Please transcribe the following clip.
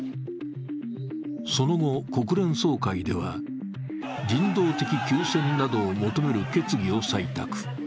その後、国連総会では人道的休戦などを求める決議を採択。